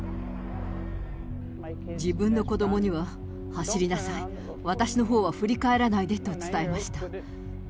自分の子どもには、走りなさい、私のほうは振り返らないでと伝えました。